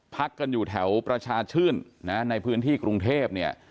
พักกันอยู่แถวประชาชื่นนะในพื้นที่กรุงเทพเนี่ย